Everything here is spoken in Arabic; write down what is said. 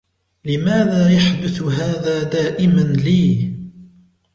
لماذا يحدث هذا دائماً لي ؟